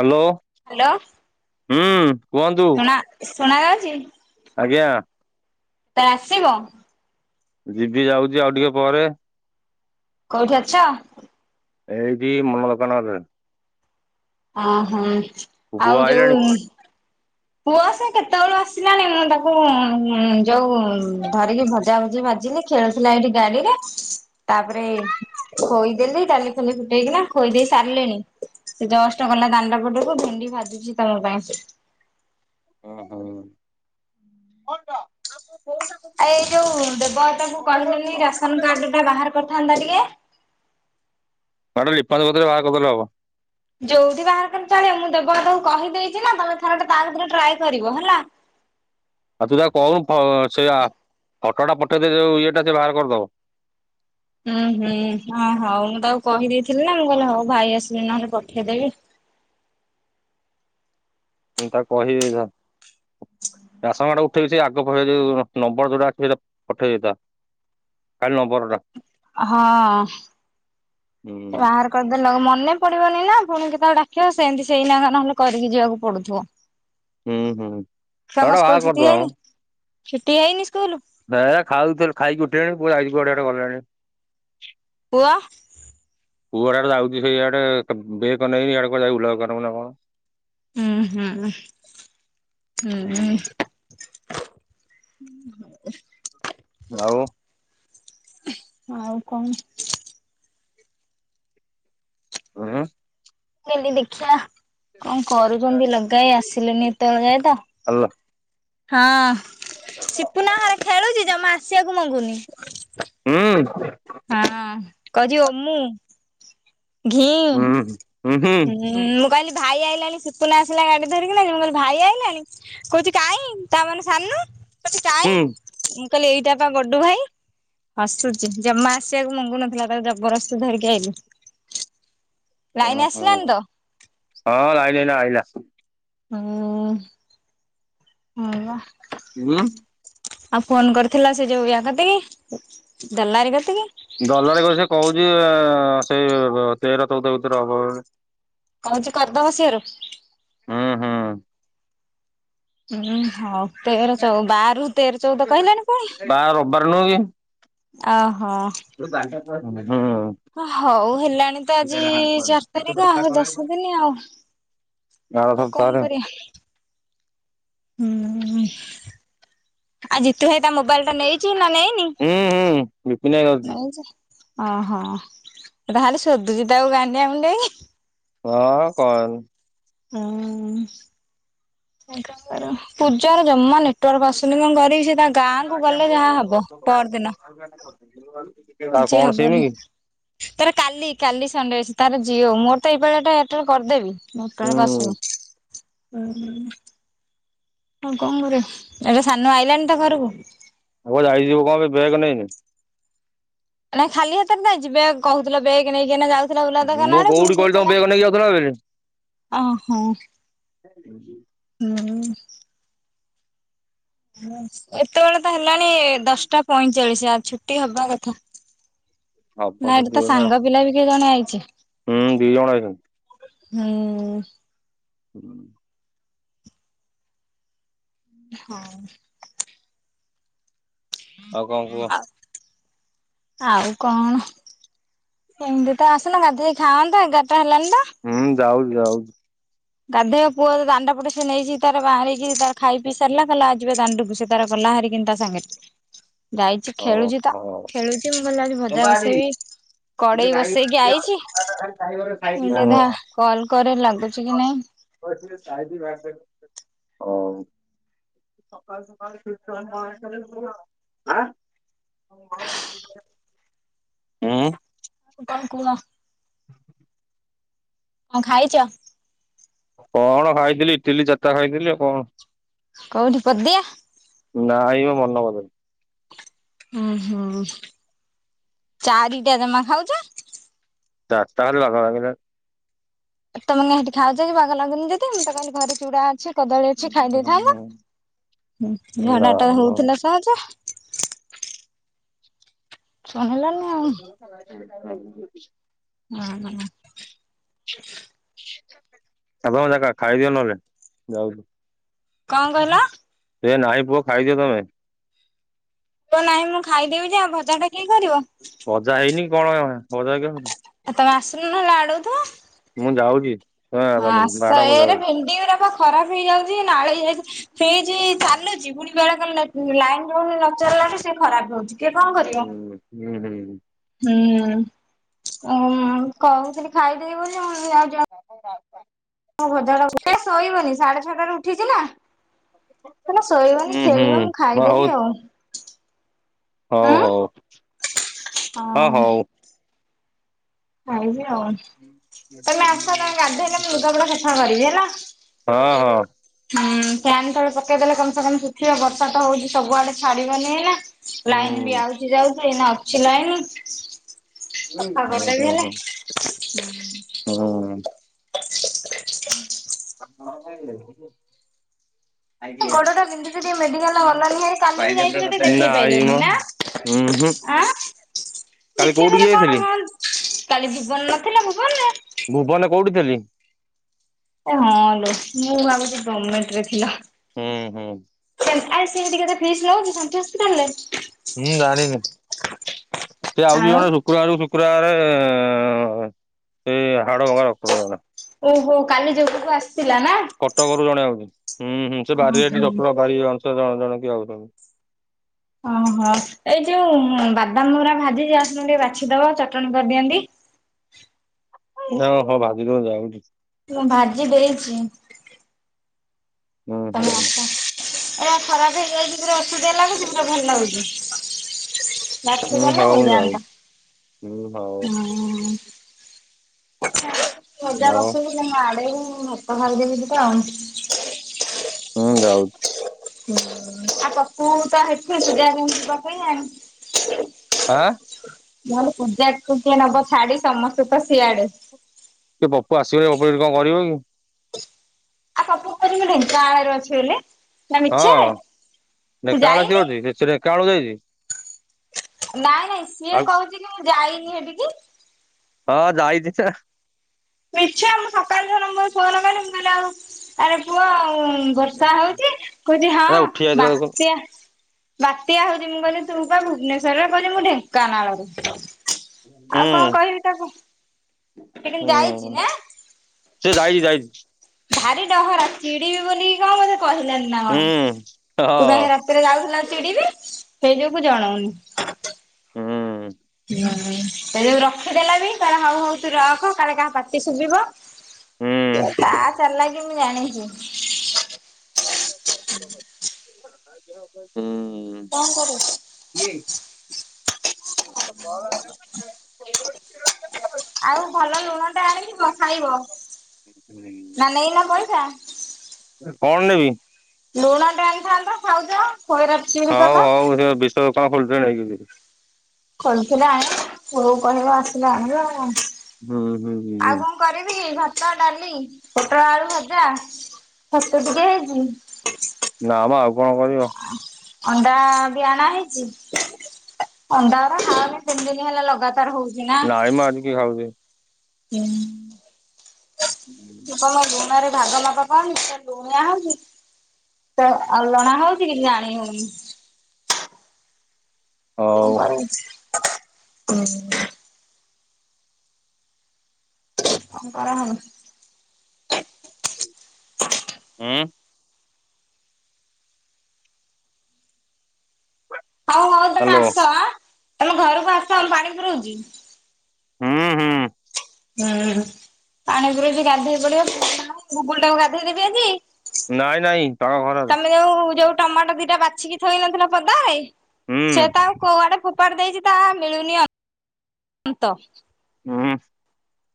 Hello. Hello. ହୁଁ କୁହନ୍ତୁ? ଶୁଣା ଯାଉଛି? ଆଜ୍ଞା। ତତେ ଆସିବ? ଯିବି ଯାଉଚି, ଆଉ ଟିକେ ପରେ। କୋଉଠି ଅଛ? ଏଇଠି ମନୋ ଦୋକାନ କତିରେ। ଅ ହୋ, ପୁଅ ଆଉ ଆଇଲାଣି ଯୋଉ ପୁଅ, ସେ କେତେବେଳୁ ଆସିଲାଣି, ମୁଁ ତାକୁ ଯୋଉ ଧରିକି ଭଜା ଭୁଜି ଭା ବାଜିଲି, ଖେଳୁଥିଲା ଏଇଠି ଗାଡିରେ, ତାପରେ ଖୋଇଦେଲି ଡାଲି ଫାଲି ଫୁଟେଇକିନା ଖୋଇ ଦେଇ ସାରିଲିଣି, ଏ ଜଷ୍ଟ କଲା ଦାଣ୍ଡ ପଟକୁ ଭେଣ୍ଡି ଭାଜିୁଛି ତମ ପାଇଁ। [inaudible] ଓହୋ ଆ ଏଇ ଯୋଉ ଦେବଦା ଙ୍କୁ କହିଲନି ରାସନ କାର୍ଡ ଟା ବାହାର କରିଥାନ୍ତା ଟିକେ ହେଟା ଲିପାଞ୍ଚ କତିରେ ବାହା କରିଦେଲେ ହବ। ଯୋଉଠି ବାହାର କଲେ ଚଳିବ, ମୁଁ ଦେବଦାକୁ କହିଦେଇଛି ନା ତମେ ଥର ଟା ତା ଭିତରେ ଟ୍ରାଏ କରିବ, ହେଲା। ହ [inaudible] ସେଇଆ, ଫଟୋଟା ପଠେଇଦେ ଯୋଉ ଇଏଟା ସେ ବାହାର କରିଦବ। ହୁଁ ହୁଁ ହଁ ହଉ ମୁଁ ତକୁ କହିଦେଇଥିଲି ନା, ମୁଁ କହିଲି ହଉ ଭାଇ ଆସିଲି ନହେଲେ ପଠେଇଦେବି। [inaudible] ମୁଁ ତାକୁ ଏଇଥର। ରାସନ କାର୍ଡ ଉଠେଇଛି, ଆଗ ଫାଗ ଯଉ ନମ୍ବର ଯୋଉଟା ଅଛି, ସେଟା ପଠେଇ ଦେଇଥା। ଖାଲି ନମ୍ବରଟା। ହଁ ହୁଁ ସେ ବାହାର କରିଦେଲେ, ମନ ମନେ ପଡିବନି ନା, ପୁଣି କେ ତାକୁ ଡାକିବ ସେମିତି ସେଇନା ନହେଲେ କରିକି ଯିବାକୁ ପଡୁଥିବ। ହୁଁ ହୁଁ ଛୁଆଙ୍କ ସେଟା ସ୍କୁଲ ବାହାର ଛୁଟି କରିଦବା ହେଇନି ମ ଛୁଟି ହେଇନି ସ୍କୁଲ ଭ ଖାଉଥ ଖାଇକି ଉଠିଲାଣି ପୁଣି ଆଡେ ଗଲେଣି [unintelligible] ପୁଅ? ପୁଅ ହେଡ଼ା ଆଡେ ଯାଉଛି ସେଇଆଡେ ବେକ ନେଇ ଆଡେ କୁଆଡ଼େ ଯାଇ ବୁଲା ଦୋକାନକୁ ନା କଣ? ହୁଁ ହୁଁ ହୁଁ। ହ [inaudible] ଆଉ ଆଉ କଣ? ଉଁ ହୁଁ। ମୁଁ କହିଲି ଦେଖିଆ, କଣ କରୁଚନ୍ତି ଲଗାଏ ଆସିଲେନି ଏତେବେଳେ ଯାଏ ତ ହାଲୋ। ହଁ ସିପୁନା ଘରେ ଖେଳୁଛି, ଜମା ଆସିବାକୁ ମଙ୍ଗୁନି। ହୁଁ। ହଁ କହୁଛି ଓମୁ ଘିଁ ହୁଁ ହୁଁ ହୁଁ ଉମ୍ ମୁଁ କହିଲି ଭାଇ ଆଇଲାଣି ସିପୁନା ଆସିଲା ଗାଡି ଧରିକିନା ଯ, ମୁଁ କହିଲି ଭାଇ ଆଇଲାଣି, କହୁଛି କାଇଁ ତା ମାନେ ସାନୁ କହୁଚି କାଇଁ, ହୁଁ ମୁଁ କହିଲି ଏଇଟା ବା ଗଡୁ ଭାଇ। ହସୁଚି, ଜମା ଆସିବାକୁ ମଙ୍ଗୁନଥିଲା, ତାକୁ ଜବରସ୍ତି ଧରିକି ଆଇଲି। ଲାଇନ୍ ଓହୋ। ଆସିଲାନି ତ ହଁ ଲାଇନି ଏଇନା ଆଇଲା। ହୁଁ, ହଁ ବା। ଉଁ ଆଉ ଫୋନ କରିଥିଲ ସେ ଯୋଉ ୟା କତିକି, ଦଲାରି କତିକି? ଦଲାରି କ ସେ କହୁଛି ସେଇ ତେର ଚଉଦ ଭିତରେ ହବ ବେଲି। କହୁଛି କରିଦବ ସିଓର? ହୁଁ ହୁଁ ଉଁ ହଉ ତେର ଚଉ ବାରରୁ ତେର ଚଉଦ କହିଲାଣି ପୁଣି ବା ଆ ଅ ତୁ! ! ! ! ! ! ! ! ! ! ଆ ହଉ ହେଲାଣି ତ ଆଜି ଚାରି ତାରିଖ, ଆଉ ଦଶ ଦିନ ଆଉ। ଆର ବା ସପ୍ତାହରେ କଣ କରିଆ? ହୁଁ ଉଁ, ଆଉ ଜିତୁ ଭାଇ ତା ମୋବାଇଲଟା ନେଇଚି ନା ନେଇନି? ହୁଁ ହୁଁ ବିପିନ ଭାଇ ଯାଉଛି ନେଇଚି। ଓହୋ। ତାହେଲେ ସୋଦୁଛି ତାକୁ ଗାଣ୍ଡିଆ ମୁଣ୍ଡେଇକି। ହଁ କହନି। ହଁ। ପୂଜାର ଜମା ନେଟୱାର୍କ ଆସୁନି କଣ କରିବି? ସେ ତା ଗାଁକୁ ! ! ! ! ! ! ! ଗଲେ ! ! ! ହଉ ଯାହା ହଉ ହବ ଘର ତୋ ଘର ନୋକ ଖାଇବା ନେଇ ଖାଉଛନ୍ତି [unintelligible] ଆଜି ହବନି, ତାର କାଲି କାଲି ସଣ୍ଡେ ଅଛି ତାର ଯିଏ ହଉ ମୋର ତ ଏଇ ପାଳିଆଟା ଏଥର କରିଦେବି ଗୋଟା ହୁଁ ବେଳକୁ ଆସିବ। ଓହୋ। ହଉ କଣ କରିବ, ଏଟା ସାନୁ ଆଇଲାଣି ତ ଘରକୁ? ଆ ଯାଇ ଯିବୁ କଣ ପାଇଁ ବେଗ ନେଇନି? ନାଇଁ ଖାଲି ହାତରେ କାଇଁ ଯିବେ, କହୁଥିଲ ବେଗ ନେଇକି ଏଇନା ଯାଉ ଗଲା ଉଲା ଦୋକାନ ମୁଁ ଆଡ଼େ, ପୁଣି କୋଉଠି କହିଲି କହୁଛ ତମ ନାହିଁ ବ୍ୟାଗ ନେଇକି ଯାଉଥିଲ ବୋଲି ଅ ହଁ। [unintelligible] ହୁଁ। ଏତେବେଳ ତ ହେଲାଣି ଦଶଟା ପଇଁଚାଳିଶ ଯା ଛୁଟି ହବା କଥା। ହବ ନା ଏଠି ଯଦି ତା ଗୋଟେ ଆଉ ସାଙ୍ଗ ପିଲା ବି କିଏ ଜଣେ ଆଇଚି। ହୁଁ ଦି ଜଣ ହୁଁ। ହୁଁ [inaudible] ହଁ। ଆଉ କଣ କୁହ? ଆ ଆଉ କଣ ଏମିତି ତ ଆସୁନ ଗାଧେଇ ଖାଆନ୍ତ ଏଗାରଟା ହେଲାନି। ହୁଁ ଯାଉଛି ଯାଉଛି। ଗାଧୋଇବ ପୁଅ ଦାଣ୍ଡ ପଟେ ସେ ନେଇଚି ତାର ବାହାରିକି ତାର ଖାଇ ପିଇ ସାରିଲା କହିଲା ଆ ଯିବା ଦାଣ୍ଡକୁ ସେ ତାର ଗଲା ନା ହରି କିନ୍ତା ସାଙ୍ଗରେ ଯାଇଚି ହଉ ହଉ। ଖେଳୁଚି ତ, ହଉ। ହୁଁ ଖେଳୁଚି ମୁଁ କହିଲି ଯାଉଚି ଭଜା ବସେଇବି। କଡେଇ ବସେଇକି ଆଇଚି, କଣ ଖାଇଥିଲି ମୁ [unintelligible] କଲ କରେ ଲାଗୁଚି [unintelligible] ହଉ। ହୁଁ? କଣ କୁହ? କଣ ଖାଇଚ? କଣ ଖାଇଥିଲି ଇଟିଲି ଚାରିଟା ଖାଇଥିଲି ଆଉ କଣ? କଉଠି ପଦିଆ? ନାଇ ମ ମନପଦେ। ଓ ହୋ ଚାରିଟା ଜମା ଖାଉଚ? ଚାରିଟା ଲଗା ଲଗି ହେଲାଣି ତମାନେ ସେଠି ଖାଉଚ କି ବାଗ ଲାଗୁନି ଯଦି ମୁଁ ତ କହିଲି ଘରେ ଚୁଡା ଅଛି କଦଳୀ ଅଛି ଖାଇ ଦେଇଥାନ୍ତ, ନା ଝାଡ଼ା ଟା ମ। ହଉଥିଲା ସହଜ। ଇଚ୍ଛା ହେଲାନି ଆଉ। [unintelligible] ହୁଁ ହୁଁ। ସାନ ମ କାକା ଖାଇଦିଅ ନହେଲେ ଯାଉଚି। କଣ କହିଲ? ଏହେ ନାହିଁ ପୁଅ ଖାଇଦିଅ ତମେ। ପୁଅ ନାହିଁ ମୁଁ ଖାଇଦେବି ଯେ ଭଜା ଟା କିଏ କରିବ? ଭଜା ହେଇନି କଣ ହେଲା, ଭଜା କେମିତି? ଆଉ ତମେ ଆସୁନ ନହେଲେ ଆଡ଼କୁ, ଯାଉଛି। ହଁ ହା ବାଡ ଆସ ମୁଁ ଏରେ ଯାଉଛି। ଭେଣ୍ଡି ଗୁରାକ ଖରାପ ହେଇଯାଉଚି ନାଳେଇ ହେଇଚି ଫ୍ରିଜ୍ ଚାଲୁଚି ଫୁଣି ବୁଳେ ବେଳେ ଲାଇନ୍ ରହୁନି ନଚଳେ। ତାହେ ସେ ଖରାପ ହଉ। [unintelligible] ହୁଁ ଅ କହୁଥିଲି ଖାଇଦେବି ବୋଲି [unintelligible] ମୁଁ ଭଜା ଡ଼ା ସେ ଶୋଇିବନି ସାଢ଼େ ଛଟାରୁ ଉଠିଚି ନା ଏଇଲେ ଶୋଇବନି ହୁଁ ହୁଁ ଖେଳିବନି ହଉ ଖାଇବନି ଆଉ। ହଉ, ହୁଁ ହଉ, ହଁ ହଉ। ଖାଇବି ଆଉ, ତମେ ଆସ ତମେ ଗାଧେଇଲେ ମୁଁ ଲୁଗାପଟା ସେଫା କରିବି ହେଲା। ହଁ, ହଁ। ଫ୍ୟାନ୍ ତେଳେ ପକେଇଦେଲେ କମ୍ ସେ କମ୍ ଶୁଖିବ ବର୍ଷା ତ ହଉଚି ସବୁଆଡ଼େ ଛାଡିବନି ଏଇନା। ହୁଁ ଲାଇନ୍ ବି ଆଉଚି ଯାଉଚି ଏଇନା ଅଛି ଲାଇନ୍। ହୁଁ, ହୁଁ। [unintelligible] ହୁଁ। [inaudible] କଣ ଖାଇଲକି? ଗୋଡ଼ଟା ବିନ୍ଧୁଚି ଯେ ମେଡି଼କାଲ ଗଲନି କାଲି ବି ଯାଇଥିଲ ଟିକେ ଦେଖେଇ ପାରଲନି ନା। ହୁଁ, ହୁଁ। ଦେଖିଇ ଦେଲେ କଣ ହଅ କାଲି ଜୀବନ ନଥିଲା ଭୂବନ୍ ରେ। ଭୁବନରେ କୋଉଠି ଥିଲି ହଁ ଲୋ, ମୁଁ ଭାବୁଚି ଗମେଣ୍ଟରେ ଥିଲା। ହୁଁ, ହୁଁ। ଆଉ ସେମିତିକା ତା ଫ୍ରିଜ୍ ନେଇ ଆସିଲେ [unintelligible] ମୁଁ ଜଣିନି ସେ ଆଉଚି ଆଉ ଜଣେ ଶୁକ୍ରବାର କୁ ଶୁକ୍ର ବାରେ ସେଇ ହାଡ଼ ଭଙ୍ଗା ଡ଼କ୍ତର ଜଣେ। ଓହୋ କାଲି ଯୋଗୁକୁ ଆସି। କଟକରୁ ଜଣେ ଆଉଛି ହୁଁ, ହୁଁ ସେ ବାରି ଏଇଠି ଓହୋ ଡକ୍ଟର ଙ୍କ ବାରି ତ ଜଣେ ଜଣେ କି ଆଉଛନ୍ତି। ଓହୋ ଏଇ ଯୋଉ ବାଦାମ ଗୁରା ଭାଜିଚି ଆସୁନ ଟିକେ ବାଛିଦବା ଚଟଣି କରିଦିଅନ୍ତି। ହଁ, ହଁ ଭାଜିଦିଅ ଯାଉଛି। ଭାଜି ଦେଇଛି। ଉଁ, ହୁଁ। ଏରା ଖରା ଦିଆ ହେଇକି ଆଇଛି ଓସଦିଆ ଲାଗୁଛି ପୁରାଭଲ ଲାଗୁଛି। ବାଛି ହୁଁ ଦେଲେ ହଉ ମୁଁ ଯାଉଛି ହେଇଯାନ୍ତା। ହୁଁ ହଉ ଭଜା ହଉ। ବସେଇବି ତମେ ଆଡ଼େଇବ ମୁଁ ଭାତ ଗାଳି ଦେବୀ ଦିଟା ଆଉ। ହଉ ମୁଁ ଯାଉଛି। ଆଉ କଥା ହବୁ ତ ହେଟି ଏକୁଟିଆ କେମିତି ପକେଇଲାଣି। ଆଁ ନହେଲେ ପୂଜାକୁ କିଏ ନବ ଛାଡି଼ ସମସ୍ତେତ ସିଆଡ଼େ। କିଏ ପପୁ ଆସିବନି ପପୁ ସେଠି କଣ କରିବ କି? ଆଉ ପପୁ କୁ କହୁଛି ମୁ ଢେଙ୍କାନାଳ ରେ ଅଛି ବେଲି। ହଁ ଢେଙ୍କାନାଳ ରେ ଯାଇନି? ସେ ଅଛି ସିଏ ଢେଙ୍କାନାଳ କୁ ଯାଇଛି। ନାଇଁ ନାଇଁ ସିଏ ଆଉ କହୁଛି କି ମୁଁ ଯାଇନି ହେଠିକି। ସେ। ମିଛେ ଆଉ ମୁଁ ସକାଳୁ ଯୋଉନ ମୁଁ ଫୋନ କଲି କହିଲି ଆଉ ଆରେ ପୁଅ। ଉଁ ବର୍ଷା ହଉଛି କହୁଛି ହଁ ଏରା ଉଠି ଯାଇଥିଲା ଦେଖୁନୁ ବାତ୍ୟା ବା ବାତ୍ୟା ହଉଛି ମୁଁ କହିଲି ତୁ ବା ଭୁବନେସ୍ୱରରେ କହୁଚି ମୁଁ ଢେଙ୍କାନାଳରେ। ଆଉ କଣ ହୁଁ କହିବି ତାକୁ। ସେ କିନ୍ତ ଯାଇ ଉଁ ସେ ଯାଇଛି ଯାଇଛି। ଭାରି ଡହରା ଚିଡିବି ବୋଲିକି କଣ ବୋଧେ। କହିଲାନି ନା କଣ ହୁଁ ତୋ ସାଙ୍ଗେ ହଁ ରାତିରେ ଯାଉଥିଲା। ଚିଡିବି ସେଇ ଯୋଗୁ ଜଣଉନି। ହୁଁ। ହୁଁ ସେଇ ଯୋଗୁ ରଖିଦେଲା ବି କହିଲା ହଉ ହଉ ତୁ ରଖ କାଳେ କାହା ପାଟି ଶୁଭିବ। ସେ ହୁଁ ତା ଚାଲାକୀ କି ମୁଁ ଜାଣିଛି। ଉଁ। ହୁଁ। କଣ କରିବ। ତ ଆଉ ଭଲ ଲୁଣ ଟା ଆଣିଥିବ ଖାଇବ ନା ନେଇନ ପଇସା। କଣ ନେବି। ଲୁଣ ଟେ ଆଣିଥାନ୍ତ ଖାଉଛ। ଖଇରା ଚିରି ହଉ କରିଦ ହଉ ସେ ବିସ୍ୱ ଦୋକାନ ଖୋଲିଥିଲେ ନେଇଯିବି ସେଠୁ। ଖୋଲିଥିଲେ ଆଣ ନହେଲେ ପୁଅ କୁ କହିବ ଆସିଲେ ଆଣିବ। ହୁଁ ହୁଁ ହୁଁ ଆଉ ହୁଁ କଣ କରିବି ଭାତ ଡାଲି। ପୋଟଳ ଆଳୁ ଭଜା ଛତୁ ଟିକେ ହେଇଛି। ନା ମ ଆଉ କଣ କରିବ। ଅଣ୍ଡା ବି ଆଣା ହେଇଛି ଅଣ୍ଡା ଗୁରା ଖାଅନି ତିନି ଦିନ ହେଲା ଲଗା। ନାଇଁ ମ ଆଜିିକିଏ ଖାଉଛି। ହୁଁ। ମୁ ତମ ଲୁଣ ରେ ଭାଗ ମାପ ପାଉନି କେତେବେଳେ ଲୁଣିଆ ହଉଛି। କେତେବେଳେ ଅଲଣା ହଉଛି କିଛି ଜାଣି ହଉନି। କଣ ହଉ କରିବି। [unintelligible] ଉଁ। ହଉ ହଉ ତମେ ହ୍ୟାଲୋ ଆସ ଆଁ ତମ ଘରକୁ ଆସ ପାଣି ପୁରଉଛି। ହୁଁ ହୁଁ। ହୁଁ ପାଣି ପୂରେଇକି ଗାଧେଇ ପଡିବ ଗୁଗୁଲ ଟାକୁ ଗାଧେଇଦେବି ଆଜି। ନାଇଁ ନାଇଁ ତା ଘରର। ତମେ ଯୋଉ ଯୋଉ ଟମାଟୋ ଦିଟା ବାଛିକି ଥୋଇ ନଥିଲ ପଦା ରେ ହୁଁ ସେ ତ ଆଉ କୁ ଫୋ ଫୋପାଡ଼ି ଦେଇଛି ତ ଆଉ ମିଳୁନି ତ ଉଁ।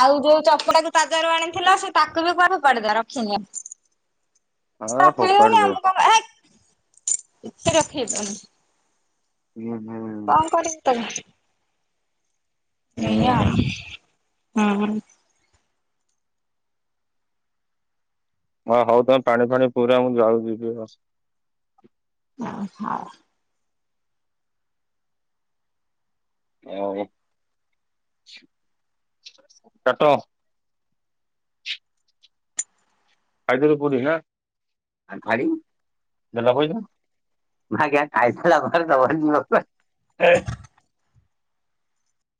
ଆଉ ଯୋଉ ଚପଟାକୁ ତାଜାରୁ ଆଣିଥିଲା ସେ ତାକୁ ବି କୁଆ ଫୋପାଡ଼ି ଦେଲା ରଖିନି ଆ ଆଉ। ଫୋପାଡି ରଖିନି ଦଉ ଆମକୁ ହେଇକି ରଖି [unintelligible] ହୁଁ ହୁଁ। କଣ କରିବୁ କହ। ଏୟା ହୁଁ ଆଉ ହଁ। ହଁ ହଉ ତମେ ପାଣି ଫାଣି ପୁରା ମୁଁ ଯାଉ ଯିବି ହ ହ ହଁ। ଆଉ କଟ ଫାଇଦରୁ ପୁରୀ ନା! [unintelligible] [inaudible]